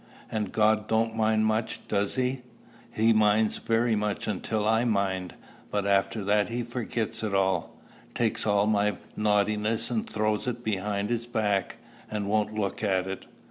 "And God don't mind much, does he?" "He minds very much until I mind; but after that he forgets it all, takes all my naughtiness and throws it behind his back, and won't look at it."